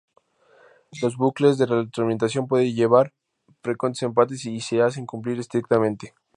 Los bucles de retroalimentación pueden llevar a frecuentes empates si se hacen cumplir estrictamente.